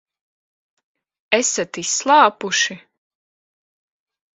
Esat izslāpuši?